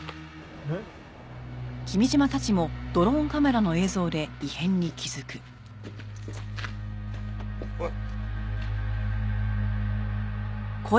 えっ？おい。